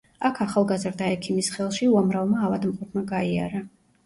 აქ ახალგაზრდა ექიმის ხელში უამრავმა ავადმყოფმა გაიარა.